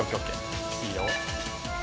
いいよ。